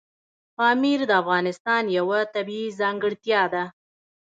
پامیر د افغانستان یوه طبیعي ځانګړتیا ده.